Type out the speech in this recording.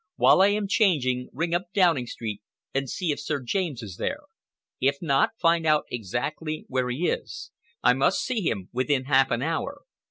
"While I am changing, ring up Downing Street and see if Sir James is there. If not, find out exactly where he is. I must see him within half an hour.